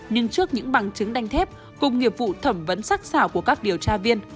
nhưng trước những bằng chứng đanh thép cùng nghiệp vụ thẩm vấn sắc xảo của các điều tra viên